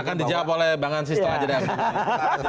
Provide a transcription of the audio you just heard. akan dijawab oleh bang hansisto aja deh